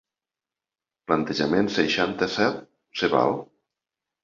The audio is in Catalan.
Plantejament seixanta-set se val.